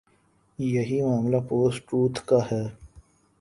یہی معاملہ post truth کا ہے۔